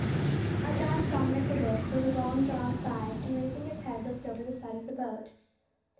At last Dominick awoke with a long drawn sigh, and, raising his head, looked over the side of the boat.